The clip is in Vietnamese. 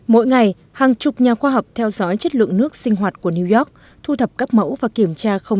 mỗi ngày hàng chục nhà khoa học theo dõi chất lượng nước sinh hoạt của new york thu thập các mẫu và kiểm tra không